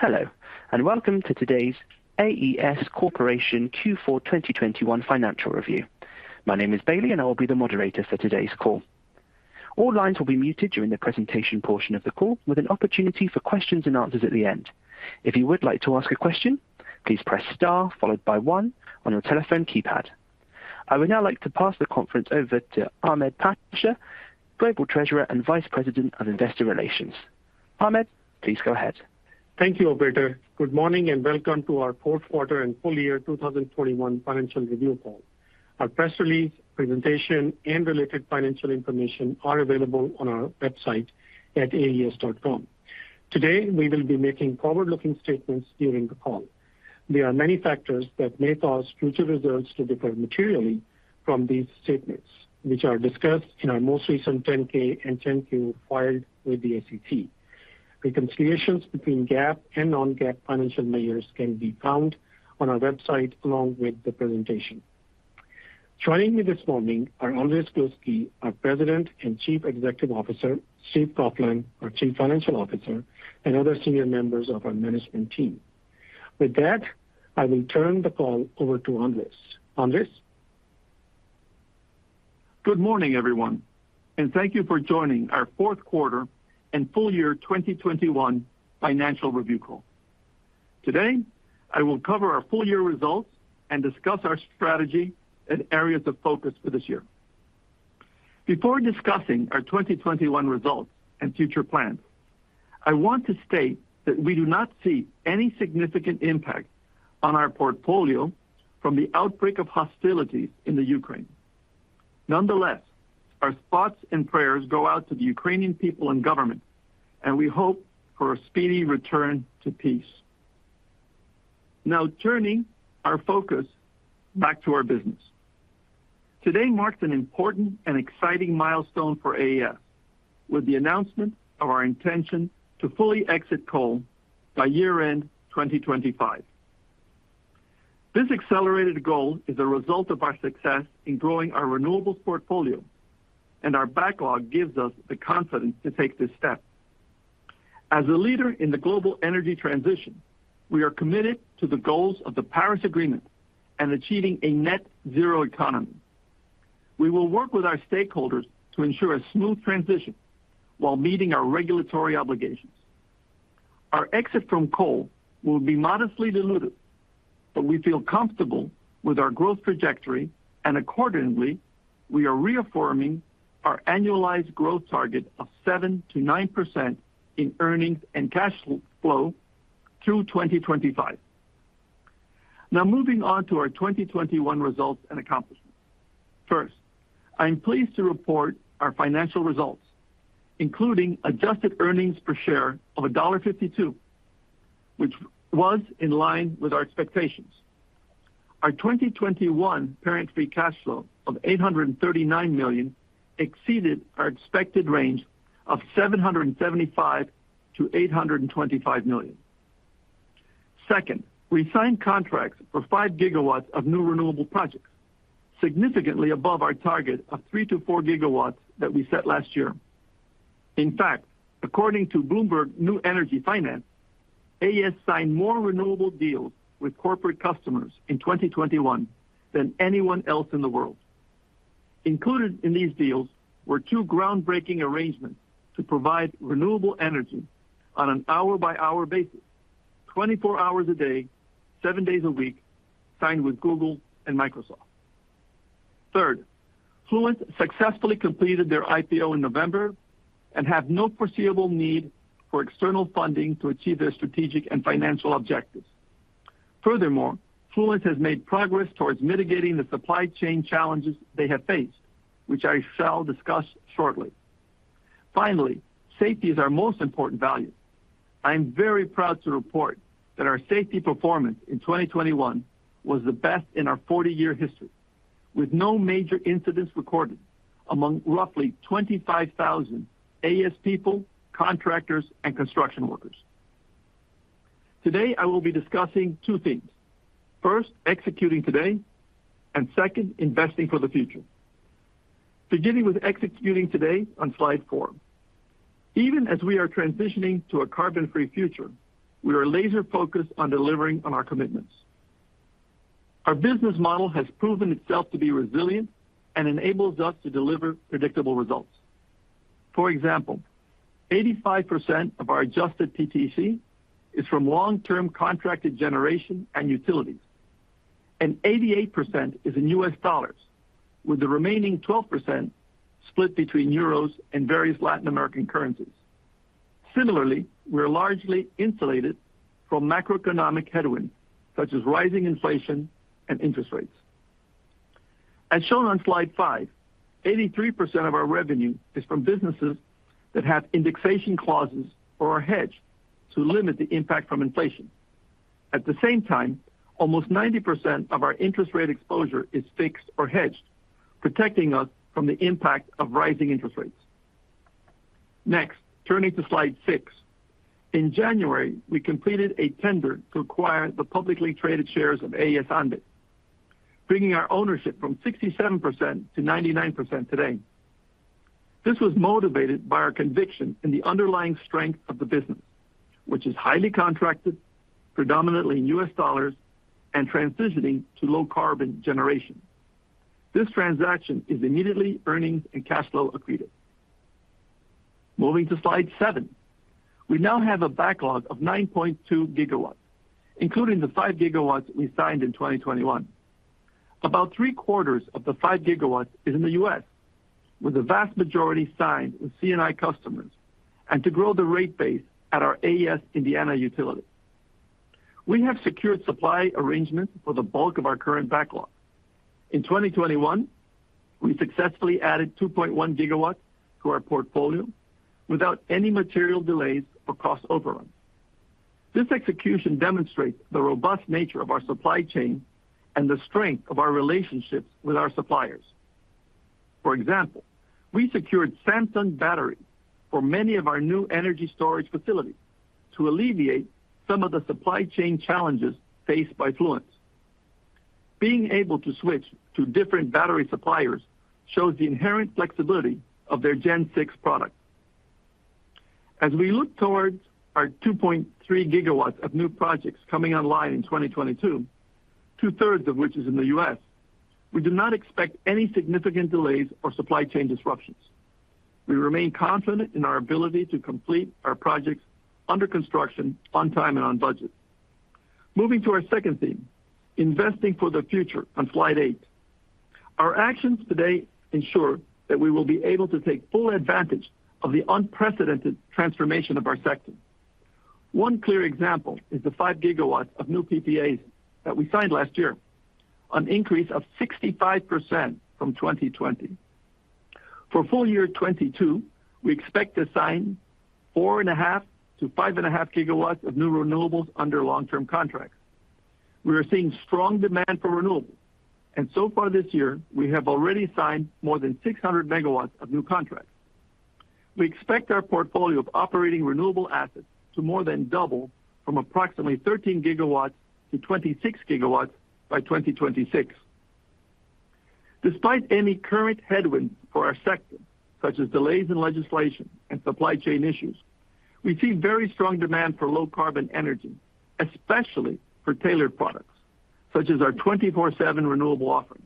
Hello, and welcome to today's AES Corporation Q4 2021 Financial Review. My name is Bailey, and I will be the moderator for today's call. All lines will be muted during the presentation portion of the call, with an opportunity for questions and answers at the end. If you would like to ask a question, please press star followed by one on your telephone keypad. I would now like to pass the conference over to Ahmed Pasha, Global Treasurer and Vice President of Investor Relations. Ahmed, please go ahead. Thank you, operator. Good morning, and welcome to our Fourth Quarter and Full Year 2021 Financial Review Call. Our press release, presentation, and related financial information are available on our website at aes.com. Today, we will be making forward-looking statements during the call. There are many factors that may cause future results to differ materially from these statements, which are discussed in our most recent 10-K and 10-Q filed with the SEC. Reconciliations between GAAP and non-GAAP financial measures can be found on our website along with the presentation. Joining me this morning are Andrés Gluski, our President and Chief Executive Officer, Steve Coughlin, our Chief Financial Officer, and other senior members of our management team. With that, I will turn the call over to Andrés. Andrés? Good morning, everyone, and thank you for joining our Fourth Quarter and Full Year 2021 Financial Review Call. Today, I will cover our full year results and discuss our strategy and areas of focus for this year. Before discussing our 2021 results and future plans, I want to state that we do not see any significant impact on our portfolio from the outbreak of hostilities in the Ukraine. Nonetheless, our thoughts and prayers go out to the Ukrainian people and government, and we hope for a speedy return to peace. Now turning our focus back to our business. Today marks an important and exciting milestone for AES with the announcement of our intention to fully exit coal by year-end 2025. This accelerated goal is a result of our success in growing our renewables portfolio, and our backlog gives us the confidence to take this step. As a leader in the global energy transition, we are committed to the goals of the Paris Agreement and achieving a net zero economy. We will work with our stakeholders to ensure a smooth transition while meeting our regulatory obligations. Our exit from coal will be modestly dilutive, but we feel comfortable with our growth trajectory, and accordingly, we are reaffirming our annualized growth target of 7%-9% in earnings and cash flow through 2025. Now moving on to our 2021 results and accomplishments. First, I am pleased to report our financial results, including adjusted earnings per share of $1.52, which was in line with our expectations. Our 2021 parent free cash flow of $839 million exceeded our expected range of $775 million-$825 million. Second, we signed contracts for 5 GW of new renewable projects, significantly above our target of 3 GW-4 GWthat we set last year. In fact, according to Bloomberg New Energy Finance, AES signed more renewable deals with corporate customers in 2021 than anyone else in the world. Included in these deals were two groundbreaking arrangements to provide renewable energy on an hour-by-hour basis, 24 hours a day, seven days a week, signed with Google and Microsoft. Third, Fluence successfully completed their IPO in November and have no foreseeable need for external funding to achieve their strategic and financial objectives. Furthermore, Fluence has made progress towards mitigating the supply chain challenges they have faced, which I shall discuss shortly. Finally, safety is our most important value. I am very proud to report that our safety performance in 2021 was the best in our 40-year history, with no major incidents recorded among roughly 25,000 AES people, contractors, and construction workers. Today, I will be discussing two things. First, executing today, and second, investing for the future. Beginning with executing today on slide four. Even as we are transitioning to a carbon-free future, we are laser focused on delivering on our commitments. Our business model has proven itself to be resilient and enables us to deliver predictable results. For example, 85% of our adjusted PTC is from long-term contracted generation and utilities, and 88% is in U.S. dollars, with the remaining 12% split between euros and various Latin American currencies. Similarly, we are largely insulated from macroeconomic headwinds such as rising inflation and interest rates. As shown on slide five, 83% of our revenue is from businesses that have indexation clauses or are hedged to limit the impact from inflation. At the same time, almost 90% of our interest rate exposure is fixed or hedged, protecting us from the impact of rising interest rates. Next, turning to slide six. In January, we completed a tender to acquire the publicly traded shares of AES Andes, bringing our ownership from 67% to 99% today. This was motivated by our conviction in the underlying strength of the business, which is highly contracted, predominantly in U.S. dollars, and transitioning to low carbon generation. This transaction is immediately earnings and cash flow accretive. Moving to slide seven. We now have a backlog of 9.2 GW, including the 5 GW we signed in 2021. About 3/4 of the 5 GW is in the U.S., with the vast majority signed with C&I customers and to grow the rate base at our AES Indiana utility. We have secured supply arrangements for the bulk of our current backlog. In 2021, we successfully added 2.1 GW to our portfolio without any material delays or cost overrun. This execution demonstrates the robust nature of our supply chain and the strength of our relationships with our suppliers. For example, we secured Samsung battery for many of our new energy storage facilities to alleviate some of the supply chain challenges faced by Fluence. Being able to switch to different battery suppliers shows the inherent flexibility of their Gen 6 product. As we look towards our 2.3 GW of new projects coming online in 2022, two-thirds of which is in the U.S., we do not expect any significant delays or supply chain disruptions. We remain confident in our ability to complete our projects under construction on time and on budget. Moving to our second theme, investing for the future on slide eight. Our actions today ensure that we will be able to take full advantage of the unprecedented transformation of our sector. One clear example is the 5 GW of new PPAs that we signed last year, an increase of 65% from 2020. For full year 2022, we expect to sign 4.5 GW-5.5 GW of new renewables under long-term contracts. We are seeing strong demand for renewables, and so far this year, we have already signed more than 600 MW of new contracts. We expect our portfolio of operating renewable assets to more than double from approximately 13 GW to 26 GW by 2026. Despite any current headwinds for our sector, such as delays in legislation and supply chain issues, we see very strong demand for low carbon energy, especially for tailored products, such as our 24/7 renewable offering.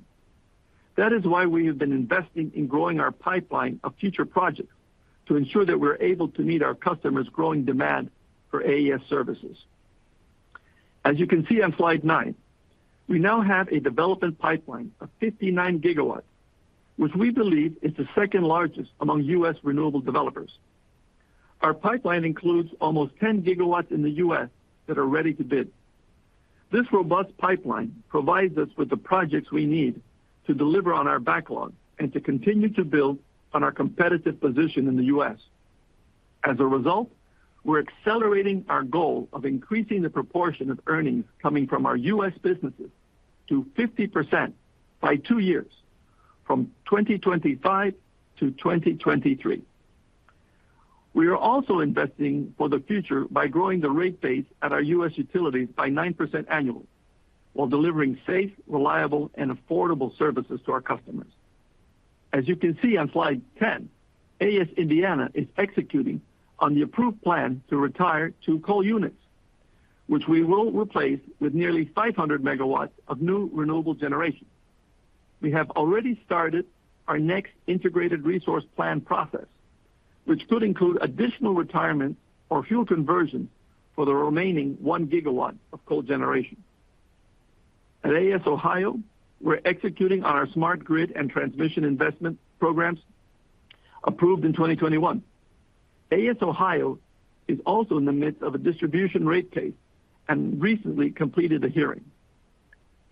That is why we have been investing in growing our pipeline of future projects to ensure that we're able to meet our customers' growing demand for AES services. As you can see on slide nine, we now have a development pipeline of 59 GW, which we believe is the second-largest among U.S. renewable developers. Our pipeline includes almost 10 GW in the U.S. that are ready to bid. This robust pipeline provides us with the projects we need to deliver on our backlog and to continue to build on our competitive position in the U.S. As a result, we're accelerating our goal of increasing the proportion of earnings coming from our U.S. businesses to 50% by two years from 2025 to 2023. We are also investing for the future by growing the rate base at our U.S. utilities by 9% annually while delivering safe, reliable, and affordable services to our customers. As you can see on slide 10, AES Indiana is executing on the approved plan to retire two coal units, which we will replace with nearly 500 MW of new renewable generation. We have already started our next integrated resource plan process, which could include additional retirement or fuel conversion for the remaining 1 GW of coal generation. At AES Ohio, we're executing on our smart grid and transmission investment programs approved in 2021. AES Ohio is also in the midst of a distribution rate case and recently completed a hearing.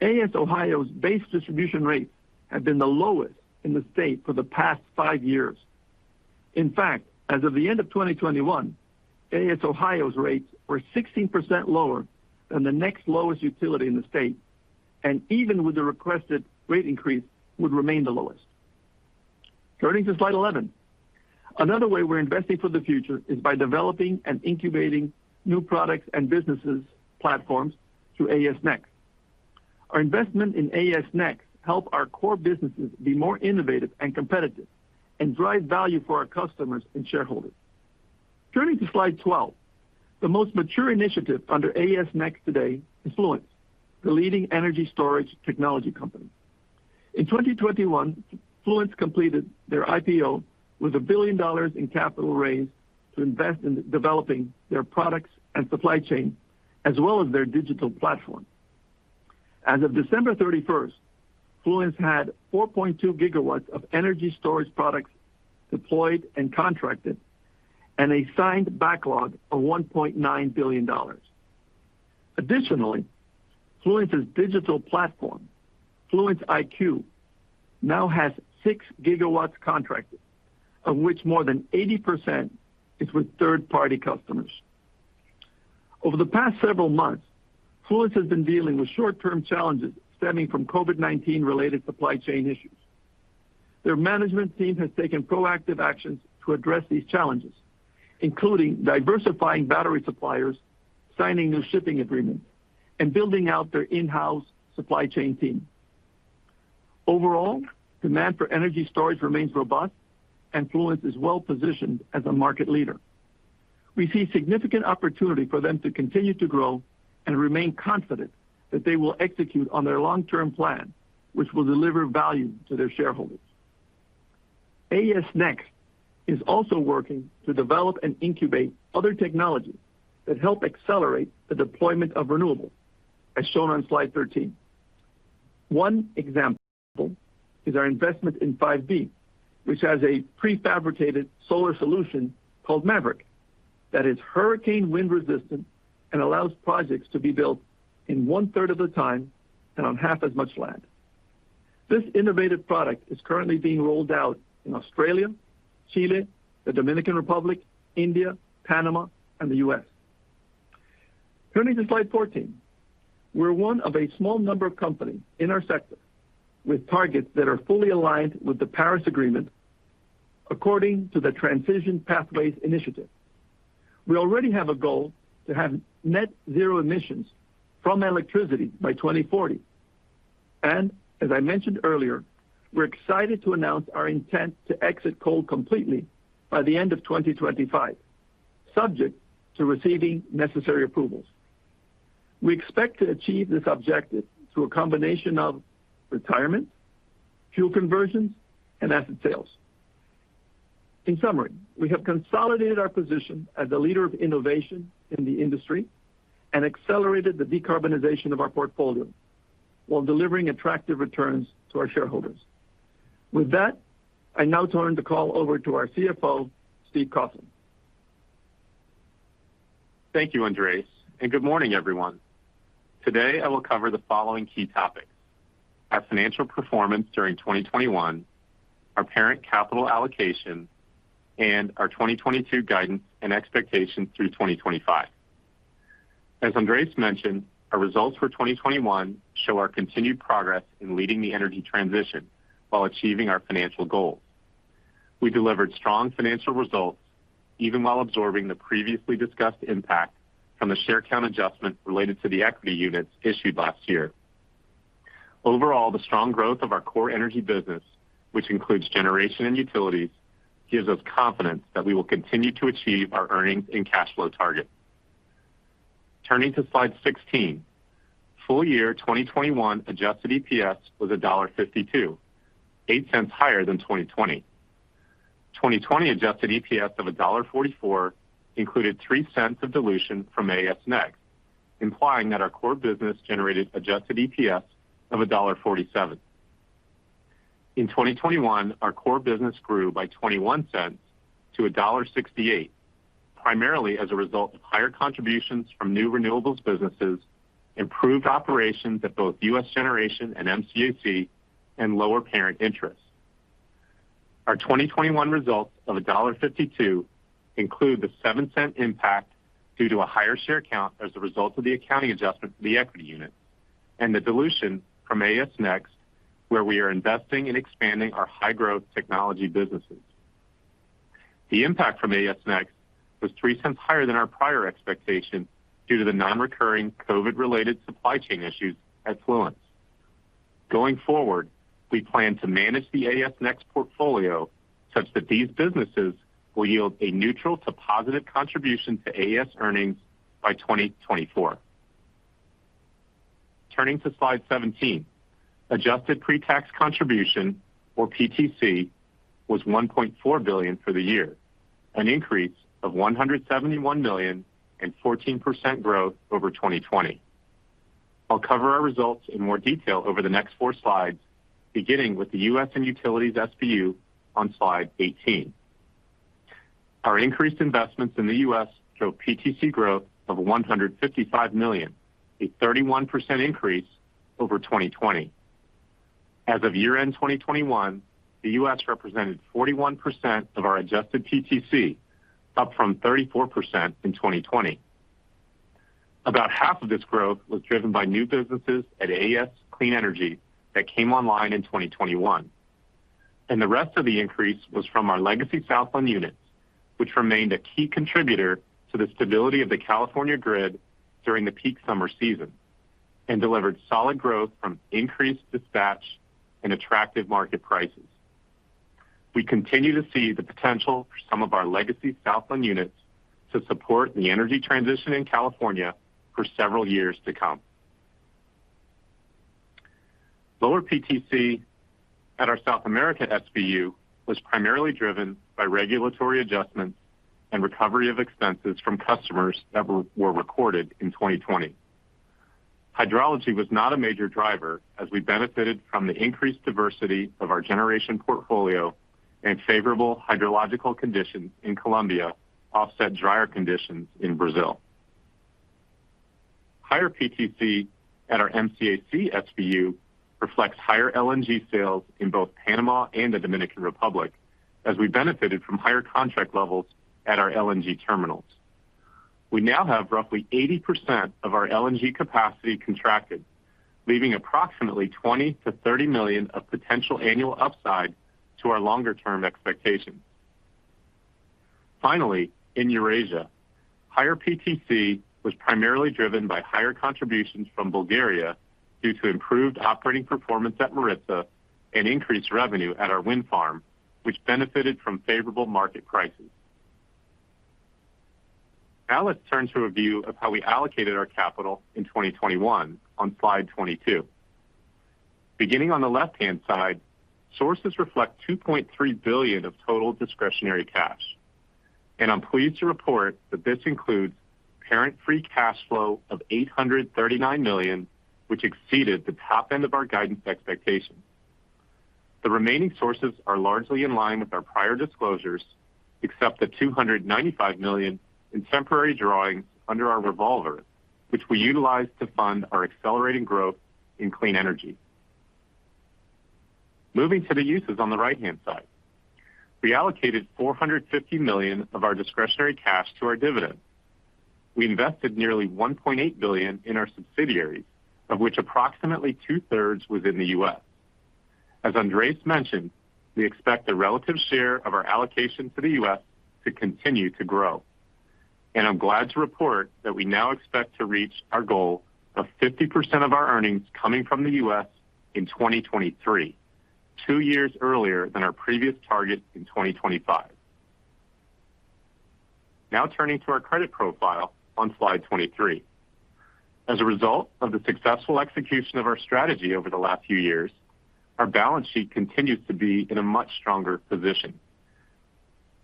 AES Ohio's base distribution rates have been the lowest in the state for the past five years. In fact, as of the end of 2021, AES Ohio's rates were 16% lower than the next lowest utility in the state, and even with the requested rate increase, would remain the lowest. Turning to slide 11. Another way we're investing for the future is by developing and incubating new products and businesses platforms through AES Next. Our investment in AES Next help our core businesses be more innovative and competitive and drive value for our customers and shareholders. Turning to slide 12. The most mature initiative under AES Next today is Fluence, the leading energy storage technology company. In 2021, Fluence completed their IPO with $1 billion in capital raised to invest in developing their products and supply chain, as well as their digital platform. As of December 31, Fluence had 4.2 GW of energy storage products deployed and contracted and a signed backlog of $1.9 billion. Additionally, Fluence's digital platform, Fluence IQ, now has 6 GW contracted, of which more than 80% is with third-party customers. Over the past several months, Fluence has been dealing with short-term challenges stemming from COVID-19 related supply chain issues. Their management team has taken proactive actions to address these challenges, including diversifying battery suppliers, signing new shipping agreements, and building out their in-house supply chain team. Overall, demand for energy storage remains robust, and Fluence is well-positioned as a market leader. We see significant opportunity for them to continue to grow and remain confident that they will execute on their long-term plan, which will deliver value to their shareholders. AES Next is also working to develop and incubate other technologies that help accelerate the deployment of renewables, as shown on slide 13. One example is our investment in 5B, which has a prefabricated solar solution called MAVERICK that is hurricane wind resistant and allows projects to be built in one-third of the time and on half as much land. This innovative product is currently being rolled out in Australia, Chile, the Dominican Republic, India, Panama, and the U.S. Turning to slide 14. We're one of a small number of companies in our sector with targets that are fully aligned with the Paris Agreement according to the Transition Pathway Initiative. We already have a goal to have net zero emissions from electricity by 2040. As I mentioned earlier, we're excited to announce our intent to exit coal completely by the end of 2025, subject to receiving necessary approvals. We expect to achieve this objective through a combination of retirement, fuel conversions, and asset sales. In summary, we have consolidated our position as a leader of innovation in the industry and accelerated the decarbonization of our portfolio while delivering attractive returns to our shareholders. With that, I now turn the call over to our CFO, Steve Coughlin. Thank you, Andrés, and good morning, everyone. Today, I will cover the following key topics. Our financial performance during 2021, our parent capital allocation, and our 2022 guidance and expectations through 2025. As Andrés mentioned, our results for 2021 show our continued progress in leading the energy transition while achieving our financial goals. We delivered strong financial results even while absorbing the previously discussed impact from the share count adjustment related to the equity units issued last year. Overall, the strong growth of our core energy business, which includes generation and utilities, gives us confidence that we will continue to achieve our earnings and cash flow targets. Turning to slide 16. Full year 2021 adjusted EPS was $1.52, $0.08 higher than 2020. 2020 adjusted EPS of $1.44 included $0.03 of dilution from AES Next, implying that our core business generated adjusted EPS of $1.47. In 2021, our core business grew by $0.21 to $1.68, primarily as a result of higher contributions from new renewables businesses, improved operations at both U.S. Generation and MCAC, and lower parent interest. Our 2021 results of $1.52 include the $0.07 impact due to a higher share count as a result of the accounting adjustment for the equity unit and the dilution from AES Next, where we are investing in expanding our high-growth technology businesses. The impact from AES Next was $0.03 higher than our prior expectation due to the non-recurring COVID-related supply chain issues at Fluence. Going forward, we plan to manage the AES Next portfolio such that these businesses will yield a neutral to positive contribution to AES earnings by 2024. Turning to slide 17. Adjusted pretax contribution, or PTC, was $1.4 billion for the year, an increase of $171 million and 14% growth over 2020. I'll cover our results in more detail over the next four slides, beginning with the U.S. and Utilities SBU on slide 18. Our increased investments in the U.S. show PTC growth of $155 million, a 31% increase over 2020. As of year-end 2021, the U.S. represented 41% of our adjusted PTC, up from 34% in 2020. About half of this growth was driven by new businesses at AES Clean Energy that came online in 2021. The rest of the increase was from our legacy Southland units, which remained a key contributor to the stability of the California grid during the peak summer season and delivered solid growth from increased dispatch and attractive market prices. We continue to see the potential for some of our legacy Southland units to support the energy transition in California for several years to come. Lower PTC at our South America SBU was primarily driven by regulatory adjustments and recovery of expenses from customers that were recorded in 2020. Hydrology was not a major driver as we benefited from the increased diversity of our generation portfolio and favorable hydrological conditions in Colombia offset drier conditions in Brazil. Higher PTC at our MCAC SBU reflects higher LNG sales in both Panama and the Dominican Republic as we benefited from higher contract levels at our LNG terminals. We now have roughly 80% of our LNG capacity contracted, leaving approximately $20 million-$30 million of potential annual upside to our longer-term expectations. Finally, in Eurasia, higher PTC was primarily driven by higher contributions from Bulgaria due to improved operating performance at Maritza and increased revenue at our wind farm, which benefited from favorable market prices. Now let's turn to a view of how we allocated our capital in 2021 on slide 22. Beginning on the left-hand side, sources reflect $2.3 billion of total discretionary cash. I'm pleased to report that this includes parent free cash flow of $839 million, which exceeded the top end of our guidance expectations. The remaining sources are largely in line with our prior disclosures, except the $295 million in temporary drawings under our revolver, which we utilized to fund our accelerating growth in clean energy. Moving to the uses on the right-hand side. We allocated $450 million of our discretionary cash to our dividend. We invested nearly $1.8 billion in our subsidiaries, of which approximately two-thirds was in the U.S. As Andrés mentioned, we expect the relative share of our allocation to the U.S. to continue to grow. I'm glad to report that we now expect to reach our goal of 50% of our earnings coming from the U.S. in 2023, two years earlier than our previous target in 2025. Now turning to our credit profile on slide 23. As a result of the successful execution of our strategy over the last few years, our balance sheet continues to be in a much stronger position.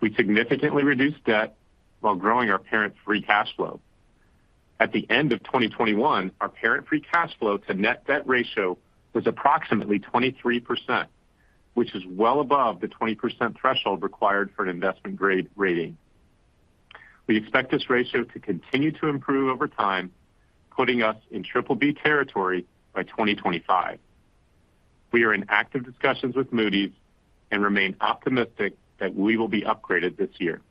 We significantly reduced debt while growing our parent free cash flow. At the end of 2021, our parent free cash flow to net debt ratio was approximately 23%, which is well above the 20% threshold required for an investment-grade rating. We expect this ratio to continue to improve over time, putting us in BBB territory by 2025. We are in active discussions with Moody's and remain optimistic that we will be upgraded this year.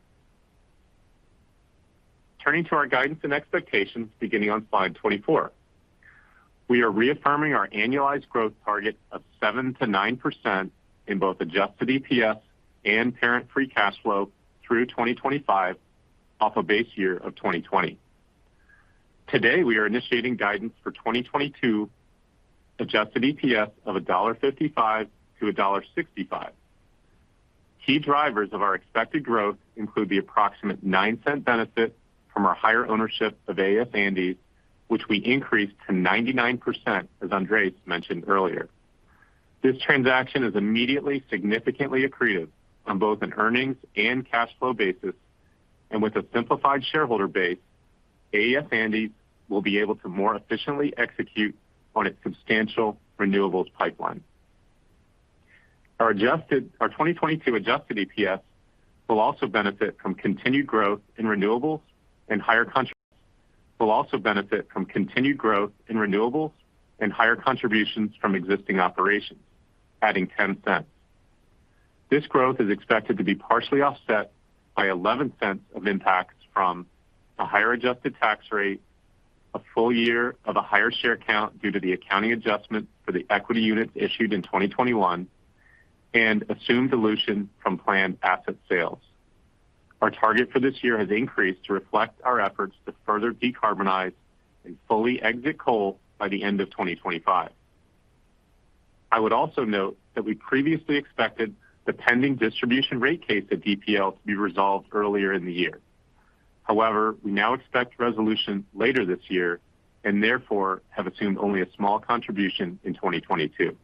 Turning to our guidance and expectations beginning on slide 24. We are reaffirming our annualized growth target of 7%-9% in both adjusted EPS and parent free cash flow through 2025 off a base year of 2020. Today, we are initiating guidance for 2022 adjusted EPS of $1.55-$1.65. Key drivers of our expected growth include the approximate $0.09 benefit from our higher ownership of AES Andes, which we increased to 99%, as Andrés mentioned earlier. This transaction is immediately significantly accretive on both an earnings and cash flow basis, and with a simplified shareholder base, AES Andes will be able to more efficiently execute on its substantial renewables pipeline. Our 2022 adjusted EPS will also benefit from continued growth in renewables and higher contributions from existing operations, adding $0.10. This growth is expected to be partially offset by $0.11 of impacts from a higher adjusted tax rate, a full year of a higher share count due to the accounting adjustment for the equity units issued in 2021, and assumed dilution from planned asset sales. Our target for this year has increased to reflect our efforts to further decarbonize and fully exit coal by the end of 2025. I would also note that we previously expected the pending distribution rate case at DPL to be resolved earlier in the year. However, we now expect resolution later this year and therefore have assumed only a small contribution in 2022.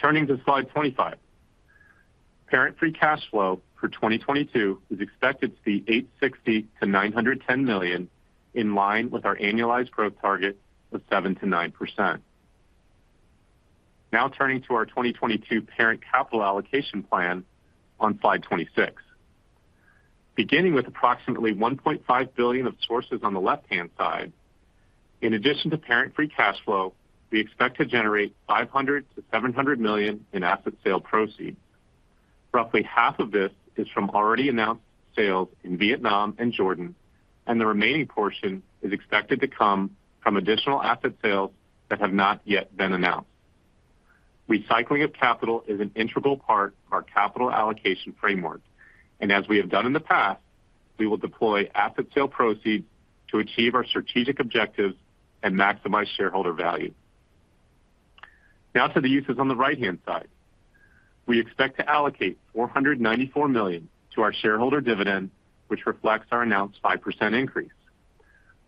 Turning to slide 25. Parent free cash flow for 2022 is expected to be $860 million-$910 million in line with our annualized growth target of 7%-9%. Now turning to our 2022 parent capital allocation plan on slide 26. Beginning with approximately $1.5 billion of sources on the left-hand side, in addition to parent free cash flow, we expect to generate $500 million-$700 million in asset sale proceeds. Roughly half of this is from already announced sales in Vietnam and Jordan, and the remaining portion is expected to come from additional asset sales that have not yet been announced. Recycling of capital is an integral part of our capital allocation framework. As we have done in the past, we will deploy asset sale proceeds to achieve our strategic objectives and maximize shareholder value. Now to the uses on the right-hand side. We expect to allocate $494 million to our shareholder dividend, which reflects our announced 5% increase.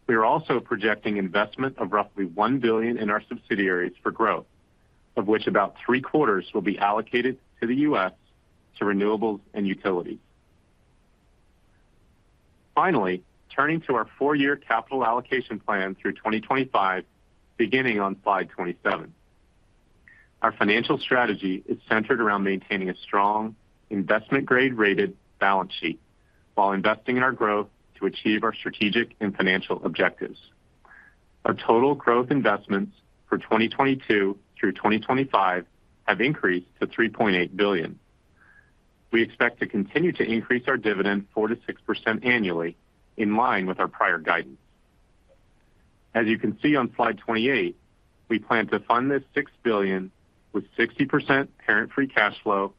We are also projecting investment of roughly $1 billion in our subsidiaries for growth, of which about three-quarters will be allocated to the U.S. to renewables and utilities. Finally, turning to our four-year capital allocation plan through 2025, beginning on slide 27. Our financial strategy is centered around maintaining a strong investment grade-rated balance sheet while investing in our growth to achieve our strategic and financial objectives. Our total growth investments for 2022 through 2025 have increased to $3.8 billion. We expect to continue to increase our dividend 4%-6% annually in line with our prior guidance. As you can see on slide 28, we plan to fund this $6 billion with 60% parent free cash flow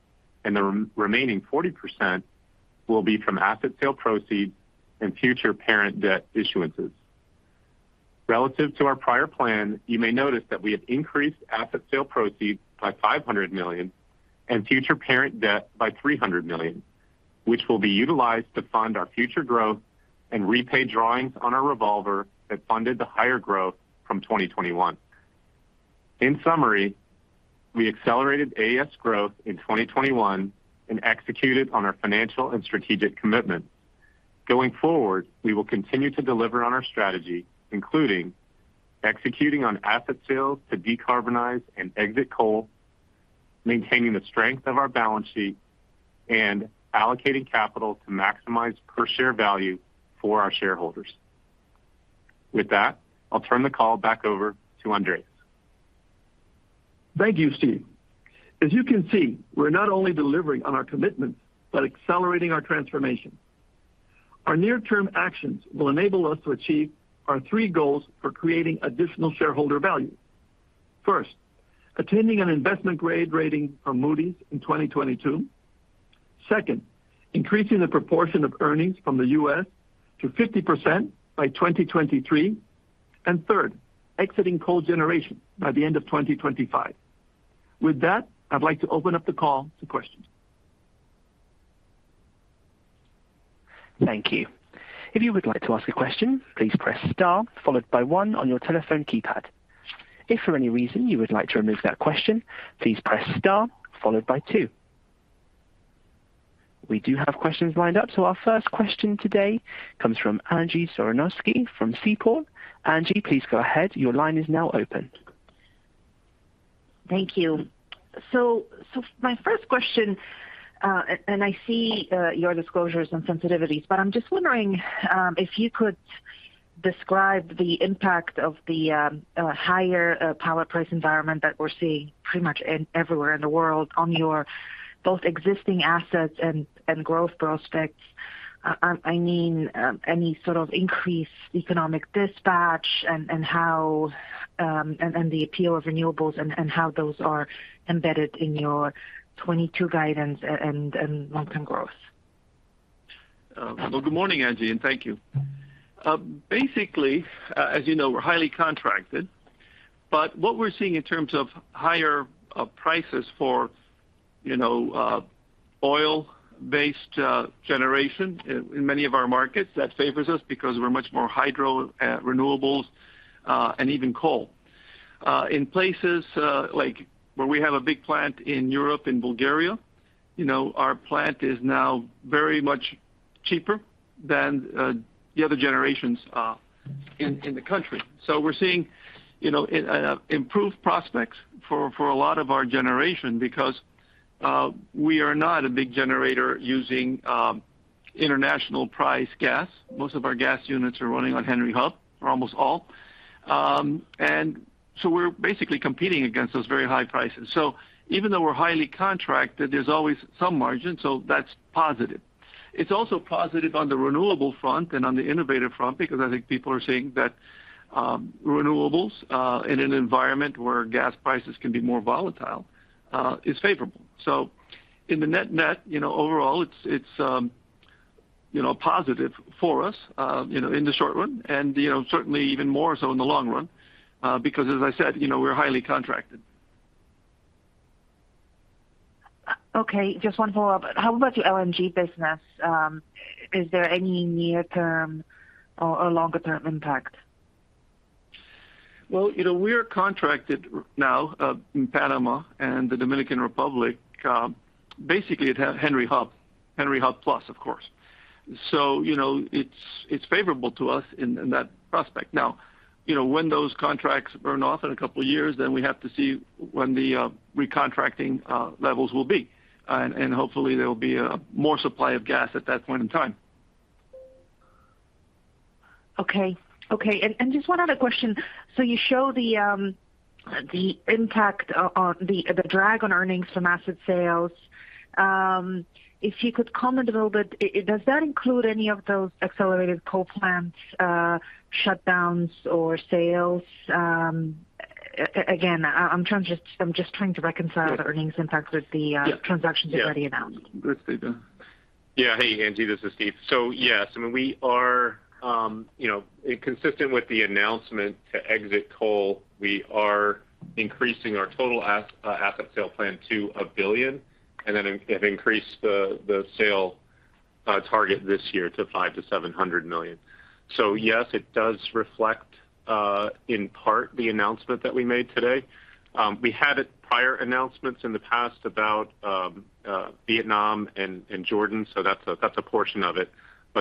and the remaining 40% will be from asset sale proceeds and future parent debt issuances. Relative to our prior plan, you may notice that we have increased asset sale proceeds by $500 million and future parent debt by $300 million, which will be utilized to fund our future growth and repay drawings on our revolver that funded the higher growth from 2021. In summary, we accelerated AES growth in 2021 and executed on our financial and strategic commitment. Going forward, we will continue to deliver on our strategy, including executing on asset sales to decarbonize and exit coal, maintaining the strength of our balance sheet, and allocating capital to maximize per share value for our shareholders. With that, I'll turn the call back over to Andrés. Thank you, Steve. As you can see, we're not only delivering on our commitments, but accelerating our transformation. Our near-term actions will enable us to achieve our three goals for creating additional shareholder value. First, attaining an investment grade rating from Moody's in 2022. Second, increasing the proportion of earnings from the U.S. to 50% by 2023. And third, exiting coal generation by the end of 2025. With that, I'd like to open up the call to questions. Thank you. If you would like to ask a question, please press star followed by one on your telephone keypad. If for any reason, you would like to remove that question, please press star followed by two. We do have questions lined up. Our first question today comes from Angie Storozynski from Seaport. Angie, please go ahead. Your line is now open. Thank you. My first question, and I see your disclosures and sensitivities, but I'm just wondering if you could describe the impact of the higher power price environment that we're seeing pretty much everywhere in the world on your both existing assets and growth prospects. I mean any sort of increased economic dispatch and how the appeal of renewables and how those are embedded in your 2022 guidance and long-term growth. Well, good morning, Angie, and thank you. Basically, as you know, we're highly contracted, but what we're seeing in terms of higher prices for, you know, oil-based generation in many of our markets, that favors us because we're much more hydro, renewables, and even coal. In places like where we have a big plant in Europe, in Bulgaria, you know, our plant is now very much cheaper than the other generations in the country. We're seeing, you know, improved prospects for a lot of our generation because we are not a big generator using international price gas. Most of our gas units are running on Henry Hub, or almost all. We're basically competing against those very high prices. Even though we're highly contracted, there's always some margin, so that's positive. It's also positive on the renewable front and on the innovative front because I think people are seeing that renewables in an environment where gas prices can be more volatile is favorable. In the net-net, you know, overall it's positive for us, you know, in the short run and, you know, certainly even more so in the long run because as I said, you know, we're highly contracted. Okay, just one follow-up. How about your LNG business? Is there any near-term or longer-term impact? Well, you know, we are contracted now in Panama and the Dominican Republic. Basically it has Henry Hub plus, of course. You know, it's favorable to us in that prospect. Now, you know, when those contracts burn off in a couple of years, then we have to see when the recontracting levels will be. Hopefully there will be more supply of gas at that point in time. Okay. Just one other question. You show the impact on the drag on earnings from asset sales. If you could comment a little bit, does that include any of those accelerated coal plants shutdowns or sales? Again, I'm just trying to reconcile the earnings impact with the transactions you've already announced. Yeah. Go ahead, Steve. Hey, Angie, this is Steve. Yes, I mean, we are, you know, consistent with the announcement to exit coal, we are increasing our total asset sale plan to $1 billion, and then have increased the sale target this year to $500 million-$700 million. Yes, it does reflect in part the announcement that we made today. We had prior announcements in the past about Vietnam and Jordan, so that's a portion of it.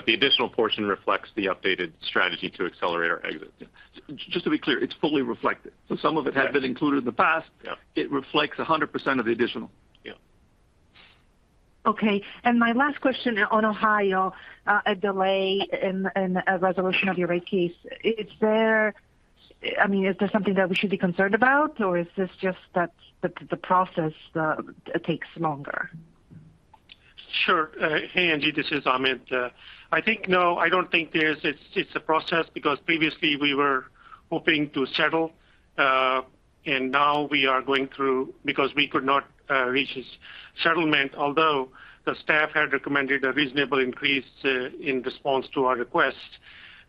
The additional portion reflects the updated strategy to accelerate our exit. Just to be clear, it's fully reflected. Some of it had been included in the past. It reflects 100% of the additional. Yeah. Okay. My last question on Ohio, a delay in a resolution of your rate case. I mean, is there something that we should be concerned about? Or is this just that the process takes longer? Sure. Hey, Angie, this is Ahmed. I don't think there is. It's a process because previously we were hoping to settle, and now we are going through because we could not reach a settlement, although the staff had recommended a reasonable increase in response to our request.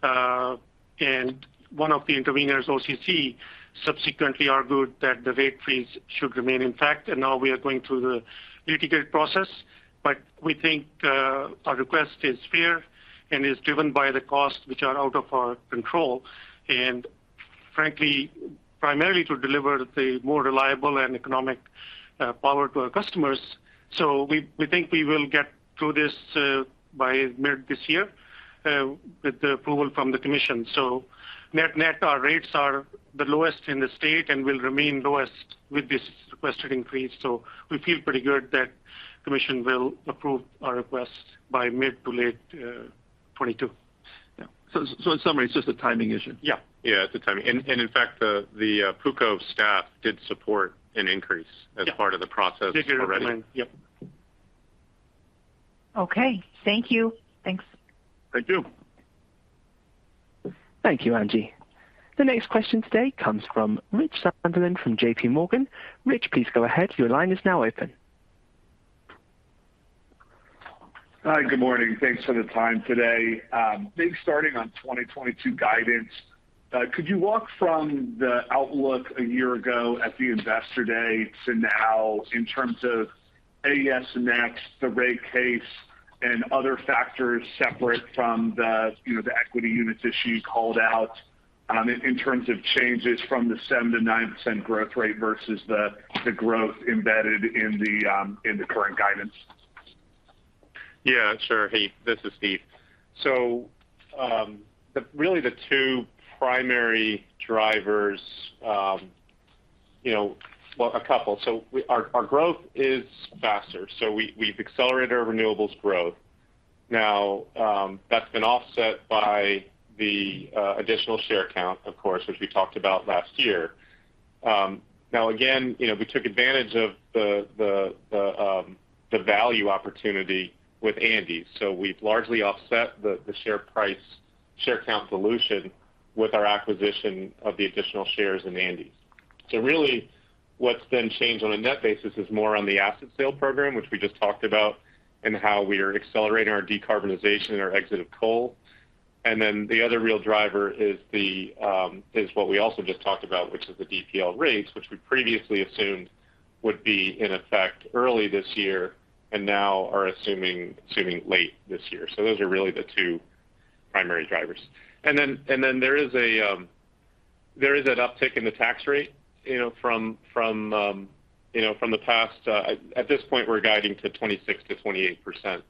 One of the interveners, OCC, subsequently argued that the rate freeze should remain intact. Now we are going through the litigation process. We think our request is fair and is driven by the costs which are out of our control. Frankly, primarily to deliver the more reliable and economic power to our customers. We think we will get through this by mid this year with the approval from the commission. Net net, our rates are the lowest in the state and will remain lowest with this requested increase. We feel pretty good that commission will approve our request by mid to late 2022. Yeah. In summary, it's just a timing issue. Yeah. Yeah, it's a timing. In fact, the PUCO staff did support an increase as part of the process already. Did recommend. Yep. Okay. Thank you. Thanks. Thank you. Thank you, Angie. The next question today comes from Richard Sunderland from JPMorgan. Rich, please go ahead. Your line is now open. Hi, good morning. Thanks for the time today. Maybe starting on 2022 guidance, could you walk from the outlook a year ago at the investor day to now in terms of AES Next, the rate case, and other factors separate from the, you know, the equity units issue you called out, in terms of changes from the 7%-9% growth rate versus the growth embedded in the current guidance? Yeah, sure. Hey, this is Steve. Really the two primary drivers, you know. Well, a couple. Our growth is faster, so we've accelerated our renewables growth. Now, that's been offset by the additional share count, of course, which we talked about last year. Now again, we took advantage of the value opportunity with Andes. We've largely offset the share count dilution with our acquisition of the additional shares in Andes. Really what's then changed on a net basis is more on the asset sale program, which we just talked about, and how we are accelerating our decarbonization and our exit of coal. The other real driver is what we also just talked about, which is the DPL rates, which we previously assumed would be in effect early this year and now are assuming late this year. Those are really the two primary drivers. There is an uptick in the tax rate from the past. At this point, we're guiding to 26%-28%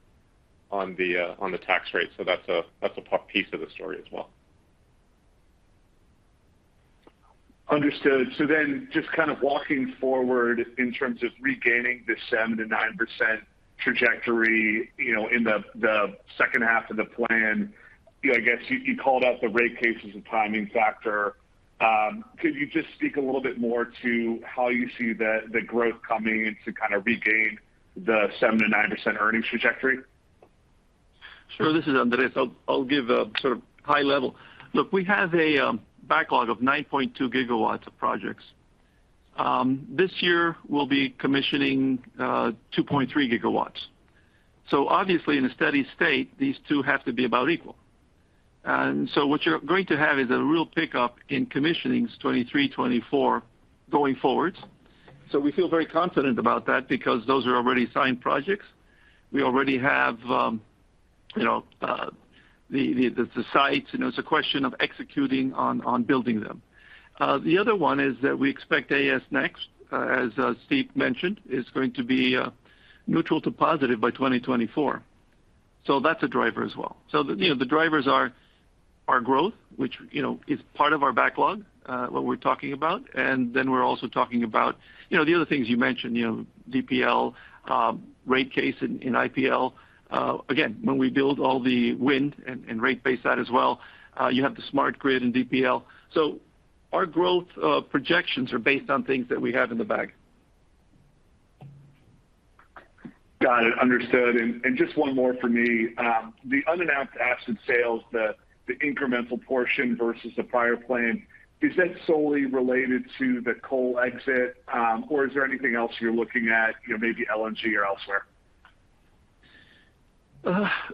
on the tax rate. That's a piece of the story as well. Understood. Just kind of walking forward in terms of regaining the 7%-9% trajectory, you know, in the second half of the plan. You know, I guess you called out the rate case as a timing factor. Could you just speak a little bit more to how you see the growth coming in to kind of regain the 7%-9% earnings trajectory? Sure. This is Andrés. I'll give a sort of high level. Look, we have a backlog of 9.2 GW of projects. This year we'll be commissioning 2.3 GW. Obviously in a steady state, these two have to be about equal. What you're going to have is a real pickup in commissionings 2023, 2024 going forward. We feel very confident about that because those are already signed projects. We already have you know the sites. You know, it's a question of executing on building them. The other one is that we expect AES Next, as Steve mentioned, is going to be neutral to positive by 2024. That's a driver as well. The, you know, the drivers are our growth, which, you know, is part of our backlog, what we're talking about. Then we're also talking about, you know, the other things you mentioned, you know, DPL, rate case in IPL. Again, when we build all the wind and rate base that as well, you have the smart grid in DPL. Our growth projections are based on things that we have in the bag. Got it. Understood. Just one more for me. The unannounced asset sales, the incremental portion versus the prior plan, is that solely related to the coal exit? Or is there anything else you're looking at, you know, maybe LNG or elsewhere?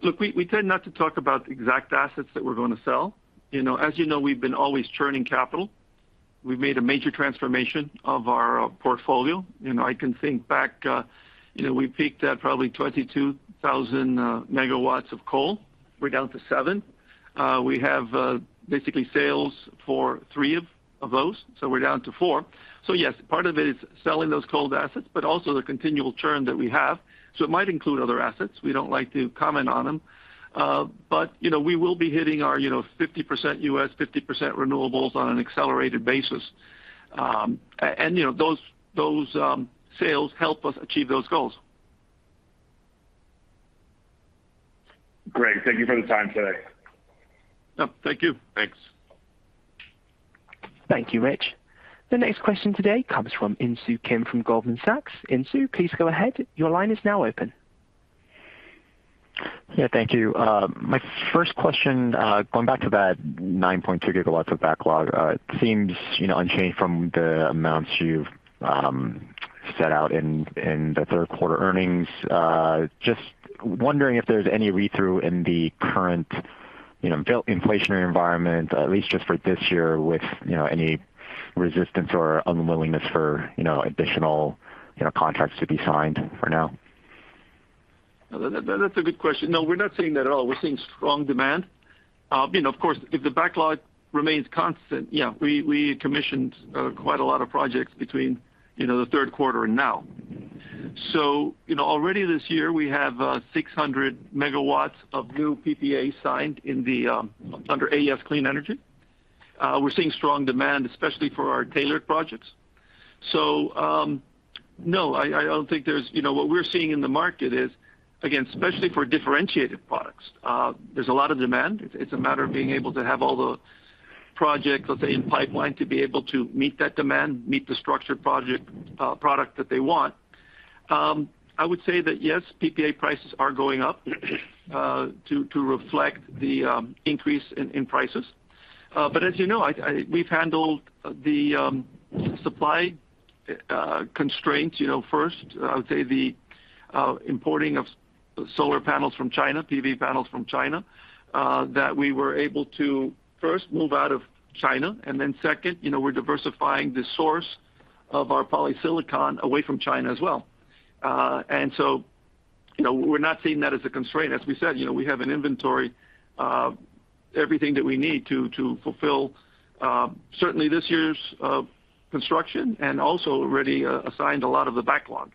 Look, we tend not to talk about exact assets that we're gonna sell. You know, as you know, we've been always churning capital. We've made a major transformation of our portfolio. You know, I can think back, you know, we peaked at probably 22,000 MW of coal. We're down to 7,000 MW. We have basically sales for three of those. We're down to four. Yes, part of it is selling those coal assets, but also the continual churn that we have. It might include other assets. We don't like to comment on them. But you know, we will be hitting our, you know, 50% U.S., 50% renewables on an accelerated basis. You know, those sales help us achieve those goals. Great. Thank you for the time today. Yeah, thank you. Thanks. Thank you, Rich. The next question today comes from Insoo Kim from Goldman Sachs. Insoo, please go ahead. Your line is now open. Yeah, thank you. My first question, going back to that 9.2 GW of backlog, it seems, you know, unchanged from the amounts you've set out in the third quarter earnings. Just wondering if there's any read-through in the current, you know, inflation environment, at least just for this year with, you know, any resistance or unwillingness for, you know, additional, you know, contracts to be signed for now. That's a good question. No, we're not seeing that at all. We're seeing strong demand. You know, of course, if the backlog remains constant, yeah, we commissioned quite a lot of projects between the third quarter and now. You know, already this year, we have 600 MW of new PPA signed in the U.S. under AES Clean Energy. We're seeing strong demand, especially for our tailored projects. No, I don't think there's, you know, what we're seeing in the market is, again, especially for differentiated products, there's a lot of demand. It's a matter of being able to have all the projects, let's say, in pipeline to be able to meet that demand, meet the structured project product that they want. I would say that, yes, PPA prices are going up, to reflect the increase in prices. But as you know, we've handled the supply constraints, you know, first, I would say the importing of solar panels from China, PV panels from China, that we were able to, first, move out of China, and then second, you know, we're diversifying the source of our polysilicon away from China as well. You know, we're not seeing that as a constraint. As we said, you know, we have an inventory of everything that we need to fulfill, certainly this year's construction and also already assigned a lot of the backlog.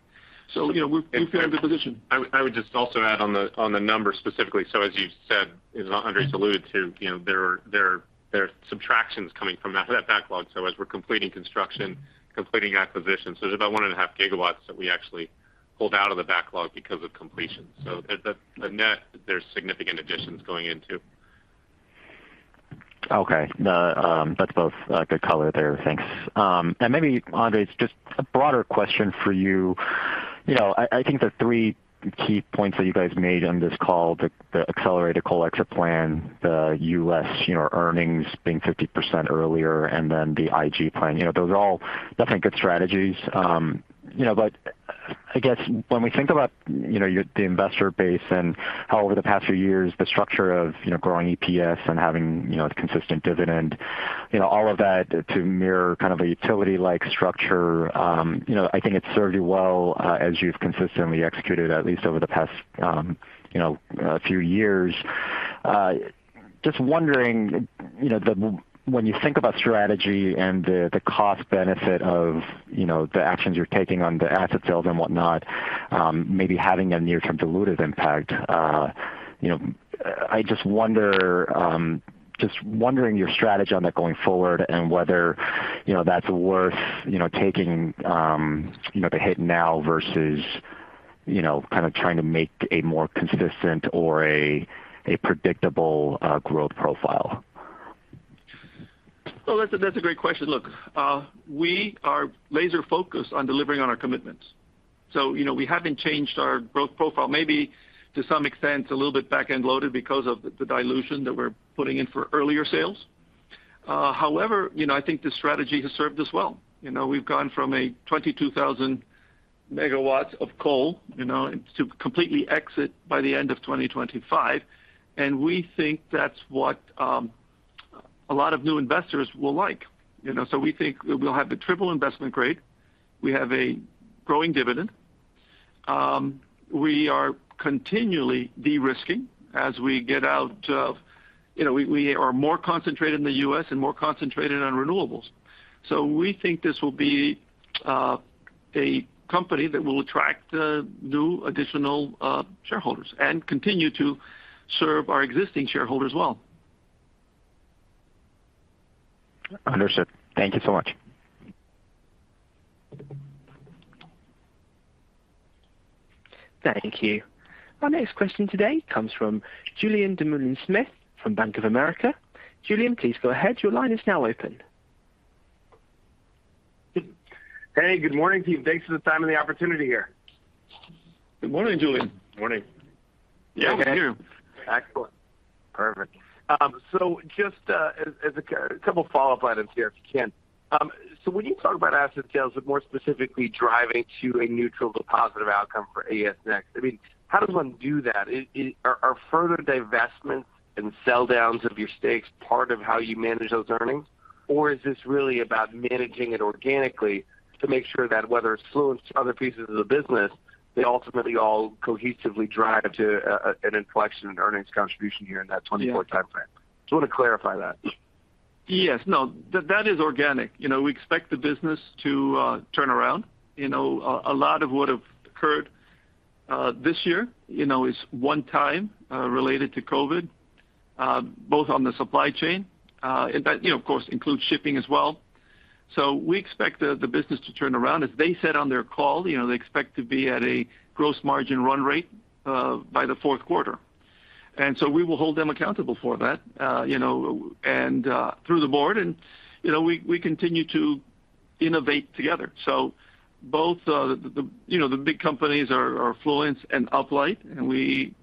You know, we're in a good position. I would just also add on the numbers specifically. As you said, as Andrés alluded to, you know, there are subtractions coming from that backlog. As we're completing construction, completing acquisitions, there's about 1.5 GW that we actually pulled out of the backlog because of completion. The net, there's significant additions going in too. Okay. No, that's both good color there. Thanks. Maybe Andrés, just a broader question for you. You know, I think the three key points that you guys made on this call, the accelerated coal exit plan, the U.S., you know, earnings being 50% earlier, and then the IG plan. You know, those are all definitely good strategies. You know, but I guess when we think about, you know, your, the investor base and how over the past few years, the structure of, you know, growing EPS and having, you know, the consistent dividend, you know, all of that to mirror kind of a utility-like structure, you know, I think it's served you well, as you've consistently executed at least over the past, you know, few years. Just wondering, you know, when you think about strategy and the cost benefit of, you know, the actions you're taking on the asset sales and whatnot, maybe having a near-term dilutive impact, you know, I just wonder, just wondering your strategy on that going forward and whether, you know, that's worth, you know, taking, you know, the hit now versus, you know, kind of trying to make a more consistent or a predictable growth profile? Well, that's a great question. Look, we are laser focused on delivering on our commitments. You know, we haven't changed our growth profile, maybe to some extent, a little bit back-end loaded because of the dilution that we're putting in for earlier sales. However, you know, I think the strategy has served us well. You know, we've gone from 22,000 MW of coal, you know, to completely exit by the end of 2025. We think that's what a lot of new investors will like, you know. We think we'll have a triple investment grade. We have a growing dividend. We are continually de-risking as we get out of coal. You know, we are more concentrated in the U.S. and more concentrated on renewables. We think this will be a company that will attract new additional shareholders and continue to serve our existing shareholders well. Understood. Thank you so much. Thank you. Our next question today comes from Julien Dumoulin-Smith from Bank of America. Julien, please go ahead. Your line is now open. Hey, good morning, team. Thanks for the time and the opportunity here. Good morning, Julien. Morning. Yeah. Excellent. Perfect. Just as a couple follow-up items here, if you can. When you talk about asset sales, but more specifically driving to a neutral to positive outcome for AES Next, I mean, how does one do that? Are further divestments and sell downs of your stakes part of how you manage those earnings? Or is this really about managing it organically to make sure that whether it's through other pieces of the business, they ultimately all cohesively drive to an inflection in earnings contribution here in that 2024 time frame? Just want to clarify that. Yes. No, that is organic. You know, we expect the business to turn around. You know, a lot of what occurred this year, you know, is one-time related to COVID. Both on the supply chain and that, you know, of course, includes shipping as well. We expect the business to turn around. As they said on their call, you know, they expect to be at a gross margin run rate by the fourth quarter. We will hold them accountable for that, you know, through the board. You know, we continue to innovate together. Both the big companies are Fluence and Uplight, and we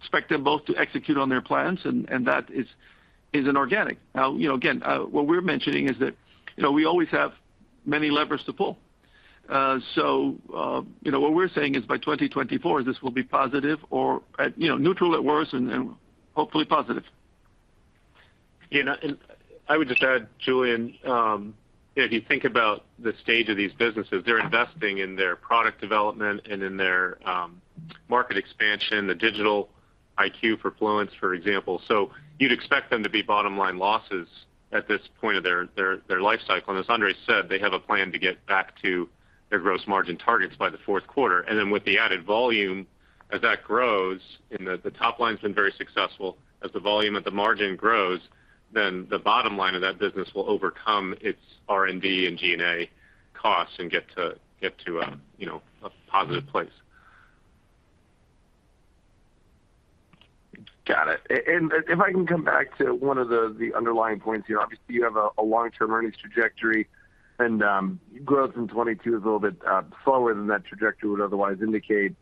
expect them both to execute on their plans and that is an organic. Now, you know, again, what we're mentioning is that, you know, we always have many levers to pull. You know, what we're saying is by 2024 this will be positive or at, you know, neutral at worst and hopefully positive. Yeah, I would just add, Julien, if you think about the stage of these businesses, they're investing in their product development and in their market expansion, the Fluence IQ for Fluence, for example. You'd expect them to be bottom line losses at this point of their life cycle. As Andrés said, they have a plan to get back to their gross margin targets by the fourth quarter. Then with the added volume, as that grows and the top line's been very successful, as the volume at the margin grows, then the bottom line of that business will overcome its R&D and G&A costs and get to, you know, a positive place. Got it. If I can come back to one of the underlying points here, obviously you have a long-term earnings trajectory and growth in 2022 is a little bit slower than that trajectory would otherwise indicate.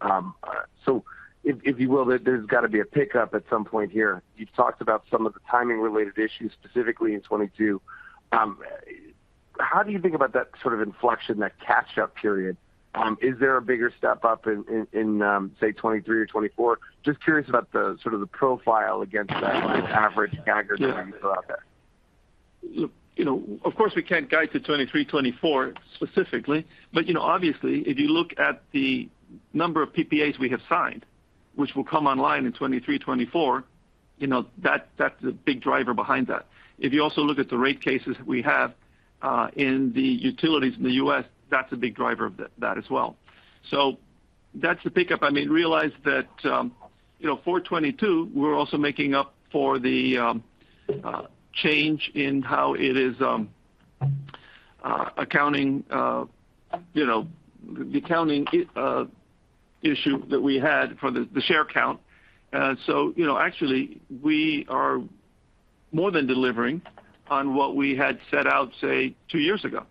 If you will, there's gotta be a pickup at some point here. You've talked about some of the timing-related issues, specifically in 2022. How do you think about that sort of inflection, that catch-up period? Is there a bigger step up in, say, 2023 or 2024? Just curious about the sort of profile against that average aggregate as you go out there. Look, you know, of course, we can't guide to 2023, 2024 specifically. You know, obviously, if you look at the number of PPAs we have signed, which will come online in 2023, 2024, you know, that's a big driver behind that. If you also look at the rate cases we have in the utilities in the U.S., that's a big driver of that as well. That's the pickup. I mean, realize that, you know, for 2022, we're also making up for the change in the accounting issue that we had for the share count. You know, actually, we are more than delivering on what we had set out, say, two years ago.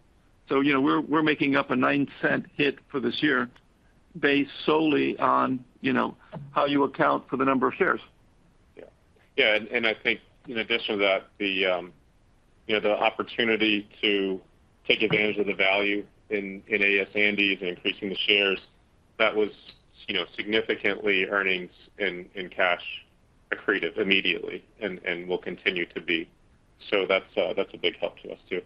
You know, we're making up a $0.09 hit for this year based solely on, you know, how you account for the number of shares. Yeah. I think in addition to that, you know, the opportunity to take advantage of the value in AES Andes and increasing the shares, that was, you know, significantly earnings and cash accretive immediately and will continue to be. So that's a big help to us too.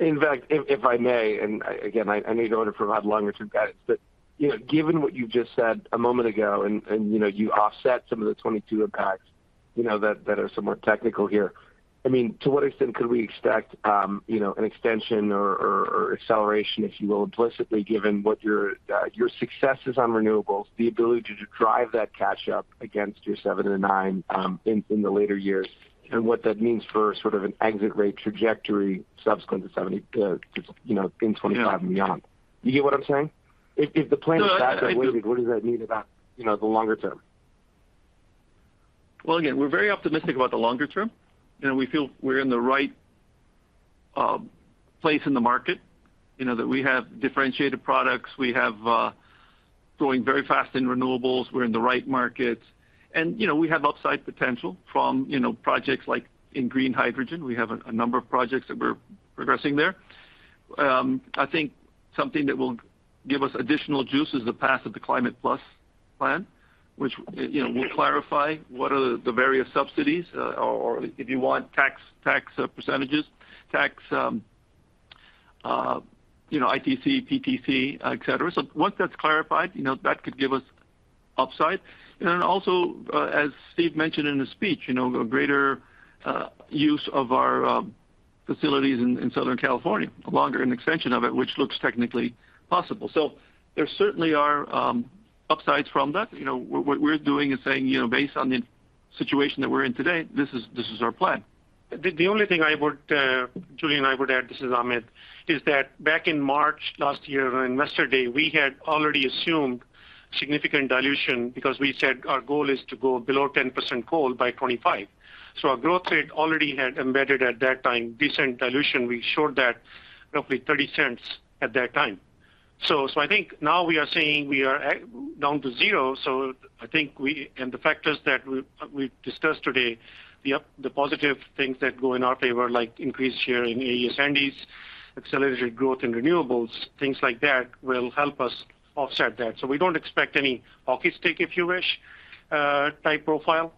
In fact, if I may, and again, I need in order to provide longer-term guidance, but you know, given what you just said a moment ago and you know, you offset some of the 2022 impacts you know, that are somewhat technical here. I mean, to what extent could we expect you know, an extension or acceleration, if you will, implicitly, given what your success is on renewables, the ability to drive that catch-up against your 7% and 9% in the later years, and what that means for sort of an exit rate trajectory subsequent to 2027 you know, in 2025 and beyond? Yeah. You get what I'm saying? If the plan is that, what does that mean about, you know, the longer term? Well, again, we're very optimistic about the longer term. You know, we feel we're in the right place in the market, you know, that we have differentiated products. We have growing very fast in renewables. We're in the right markets. You know, we have upside potential from, you know, projects like in green hydrogen. We have a number of projects that we're progressing there. I think something that will give us additional juice is the passage of the climate plus plan, which, you know, will clarify what are the various subsidies or if you want tax percentages, you know, ITC, PTC, et cetera. Once that's clarified, you know, that could give us upside. As Steve mentioned in his speech, you know, a greater use of our facilities in Southern California, longer extension of it, which looks technically possible. There certainly are upsides from that. You know, what we're doing is saying, you know, based on the situation that we're in today, this is our plan. The only thing I would add, Julien, this is Ahmed, is that back in March last year on Investor Day, we had already assumed significant dilution because we said our goal is to go below 10% coal by 2025. Our growth rate already had embedded at that time decent dilution. We showed that roughly $0.30 at that time. I think now we are saying we are down to zero. I think and the factors that we've discussed today, the positive things that go in our favor, like increased share in AES Andes, accelerated growth in renewables, things like that will help us offset that. We don't expect any hockey stick, if you wish, type profile,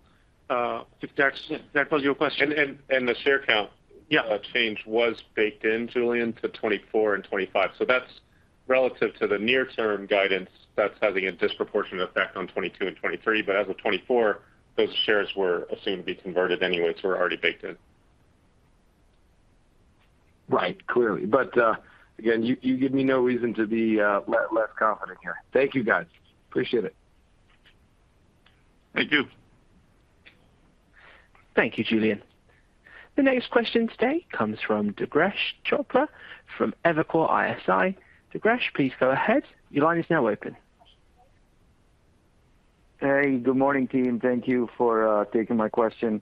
if that was your question. The share count change was baked in, Julien, to 2024 and 2025. That's relative to the near-term guidance that's having a disproportionate effect on 2022 and 2023. As of 2024, those shares were assumed to be converted anyway, so were already baked in. Right. Clearly. Again, you give me no reason to be less confident here. Thank you, guys. Appreciate it. Thank you. Thank you, Julien. The next question today comes from Durgesh Chopra from Evercore ISI. Durgesh, please go ahead. Your line is now open. Hey, good morning, team. Thank you for taking my question.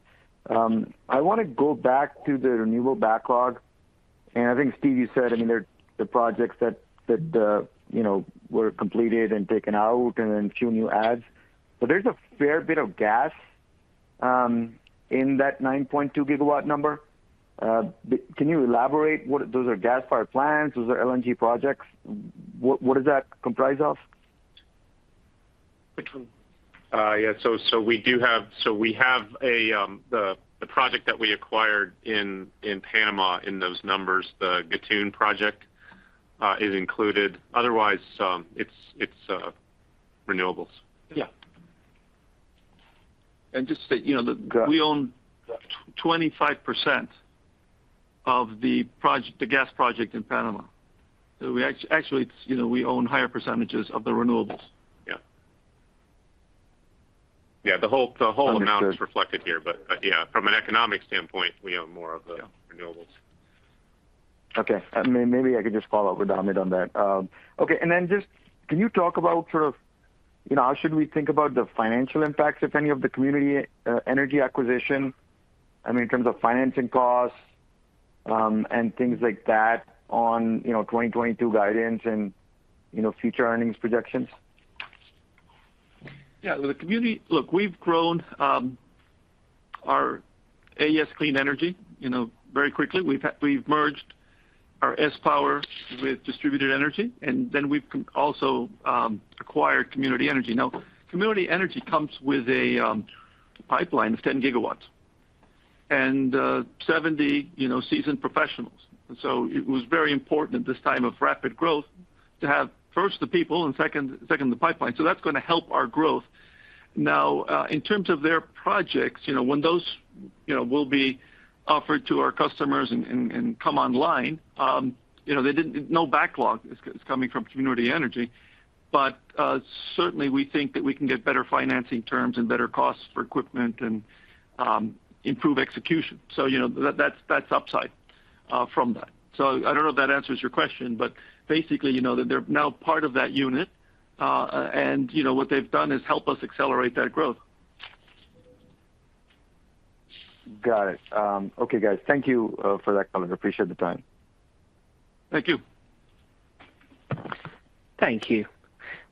I wanna go back to the renewable backlog. I think, Steve, you said, I mean, there are the projects that you know were completed and taken out and then a few new adds. So there's a fair bit of gas in that 9.2 GW number. Can you elaborate what those are, gas-fired plants? Those are LNG projects. What is that comprised of? We have the project that we acquired in Panama in those numbers, the Gatún project, is included. Otherwise, it's renewables. Yeah. Just to, you know, we own 25% of the gas project in Panama. We actually, you know, own higher percentages of the renewables. Yeah. The whole amount is reflected here. Yeah, from an economic standpoint, we own more of the renewables. Okay. Maybe I could just follow up with Ahmed on that. Okay. Just can you talk about sort of, you know, how should we think about the financial impacts, if any, of the Community Energy acquisition, I mean, in terms of financing costs, and things like that on, you know, 2022 guidance and, you know, future earnings projections? Yeah. The Community, look, we've grown our AES Clean Energy, you know, very quickly. We've merged our sPower with distributed energy, and then we've also acquired Community Energy. Now, Community Energy comes with a pipeline of 10 GW and 70 seasoned professionals. It was very important at this time of rapid growth to have, first, the people, and second, the pipeline. That's gonna help our growth. Now, in terms of their projects, you know, when those will be offered to our customers and come online, you know, no backlog is coming from Community Energy. Certainly we think that we can get better financing terms and better costs for equipment and improve execution. You know, that's upside from that. I don't know if that answers your question, but basically, you know, that they're now part of that unit. You know, what they've done is help us accelerate that growth. Got it. Okay, guys. Thank you for that comment. I appreciate the time. Thank you. Thank you.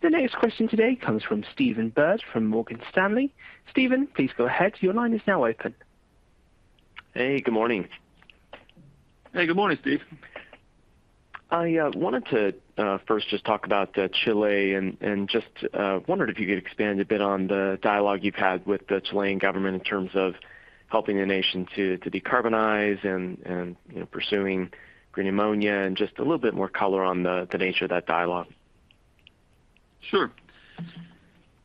The next question today comes from Stephen Byrd from Morgan Stanley. Stephen, please go ahead. Your line is now open. Hey, good morning. Hey, good morning, Steve. I wanted to first just talk about Chile and just wondered if you could expand a bit on the dialogue you've had with the Chilean government in terms of helping the nation to decarbonize and, you know, pursuing green ammonia and just a little bit more color on the nature of that dialogue. Sure.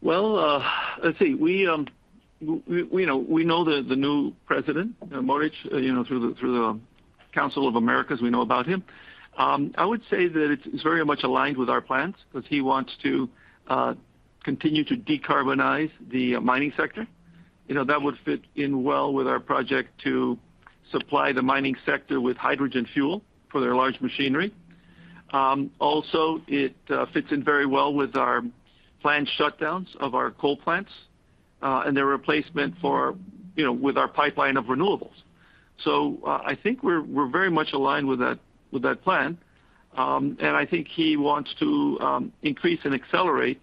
Well, let's see. We know the new president, Boric, you know, through the Council of the Americas, we know about him. I would say that it's very much aligned with our plans because he wants to continue to decarbonize the mining sector. You know, that would fit in well with our project to supply the mining sector with hydrogen fuel for their large machinery. Also, it fits in very well with our planned shutdowns of our coal plants and their replacement with our pipeline of renewables. I think we're very much aligned with that plan. I think he wants to increase and accelerate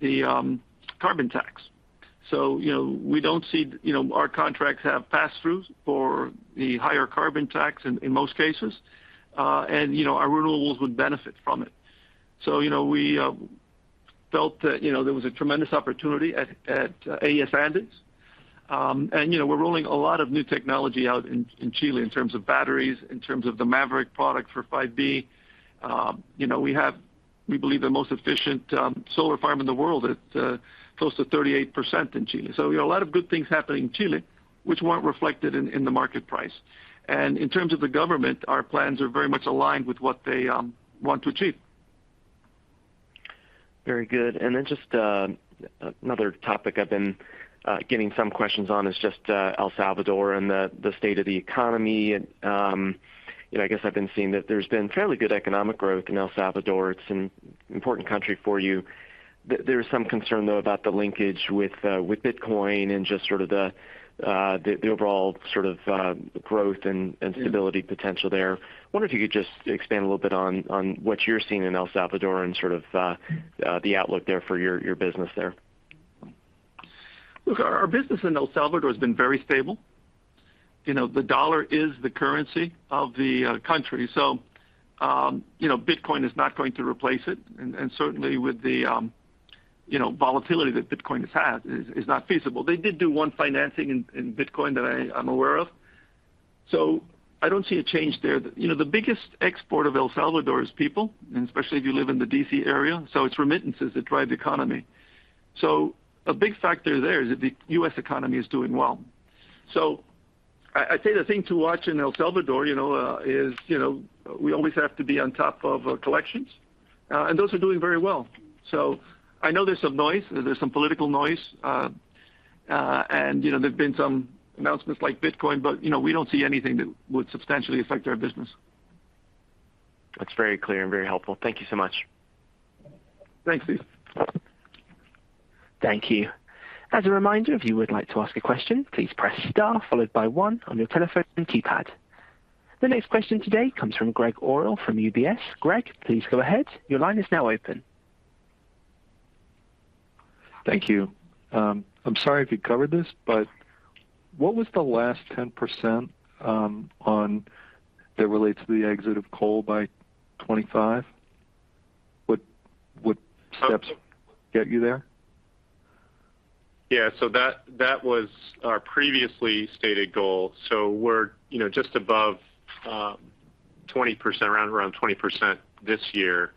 the carbon tax. You know, we don't see. You know, our contracts have pass-throughs for the higher carbon tax in most cases. You know, our renewables would benefit from it. You know, we felt that there was a tremendous opportunity at AES Andes. You know, we're rolling a lot of new technology out in Chile in terms of batteries, in terms of the MAVERICK product for 5B. You know, we have, we believe, the most efficient solar farm in the world at close to 38% in Chile. You know, a lot of good things happening in Chile which weren't reflected in the market price. In terms of the government, our plans are very much aligned with what they want to achieve. Very good. Just another topic I've been getting some questions on is just El Salvador and the state of the economy. You know, I guess I've been seeing that there's been fairly good economic growth in El Salvador. It's an important country for you. There is some concern, though, about the linkage with Bitcoin and just sort of the overall sort of growth and stability potential there. I wonder if you could just expand a little bit on what you're seeing in El Salvador and sort of the outlook there for your business there. Look, our business in El Salvador has been very stable. You know, the dollar is the currency of the country. You know, Bitcoin is not going to replace it. Certainly with the you know volatility that Bitcoin has had is not feasible. They did do one financing in Bitcoin that I'm aware of. I don't see a change there. You know, the biggest export of El Salvador is people, and especially if you live in the D.C. area. It's remittances that drive the economy. A big factor there is that the U.S. economy is doing well. I'd say the thing to watch in El Salvador, you know, is you know we always have to be on top of collections, and those are doing very well. I know there's some noise, there's some political noise. You know, there's been some announcements like Bitcoin, but, you know, we don't see anything that would substantially affect our business. That's very clear and very helpful. Thank you so much. Thanks, Steve. Thank you. As a reminder, if you would like to ask a question, please press star followed by one on your telephone keypad. The next question today comes from Gregg Orrill from UBS. Gregg, please go ahead. Your line is now open. Thank you. I'm sorry if you covered this, but what was the last 10% that relates to the exit of coal by 2025? What steps get you there? Yeah. That was our previously stated goal. We're, you know, just above 20%, around 20% this year.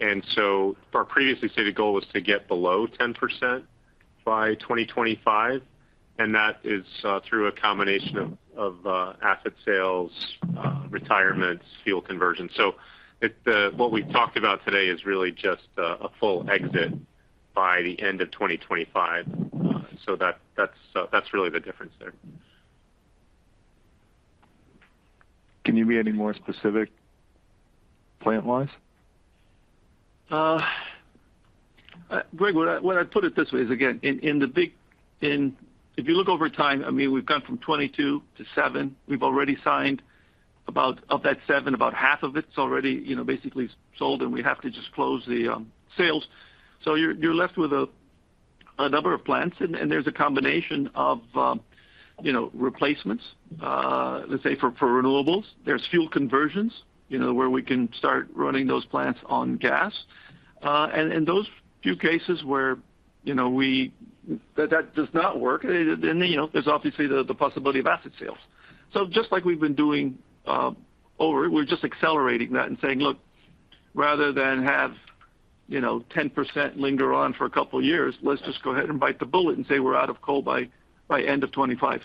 Our previously stated goal was to get below 10% by 2025, and that is through a combination of asset sales, retirements, fuel conversion. What we talked about today is really just a full exit by the end of 2025. That's really the difference there. Can you be any more specific plant-wise? Gregg, what I'd put it this way is, again, if you look over time, I mean, we've gone from 22,000 MW to 7,000 MW. We've already signed. Of that 7,000 MW, about half of it's already, you know, basically sold, and we have to just close the sales. You're left with a number of plants, and there's a combination of, you know, replacements, let's say for renewables. There's fuel conversions, you know, where we can start running those plants on gas. Those few cases where that does not work, then, you know, there's obviously the possibility of asset sales. Just like we've been doing, we're just accelerating that and saying, "Look, rather than have, you know, 10% linger on for a couple of years, let's just go ahead and bite the bullet and say we're out of coal by end of 2025."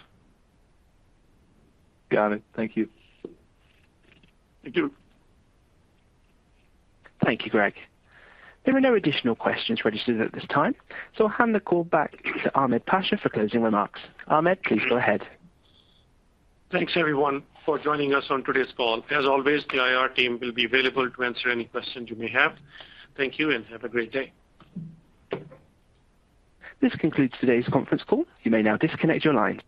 Got it. Thank you. Thank you. Thank you, Gregg. There are no additional questions registered at this time. I'll hand the call back to Ahmed Pasha for closing remarks. Ahmed, please go ahead. Thanks, everyone, for joining us on today's call. As always, the IR team will be available to answer any questions you may have. Thank you, and have a great day. This concludes today's conference call. You may now disconnect your line.